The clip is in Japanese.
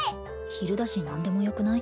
昼だし何でもよくない？